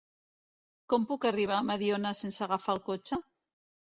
Com puc arribar a Mediona sense agafar el cotxe?